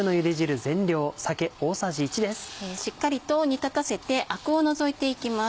しっかりと煮立たせてアクを除いていきます。